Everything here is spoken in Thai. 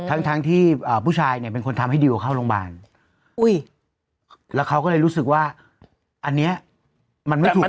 ทั้งทั้งที่ผู้ชายเนี่ยเป็นคนทำให้ดิวเข้าโรงพยาบาลแล้วเขาก็เลยรู้สึกว่าอันนี้มันไม่ถูก